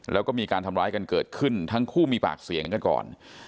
แล้วก็มีการทำร้ายกันเกิดขึ้นทั้งคู่มีปากเสียงกันก่อน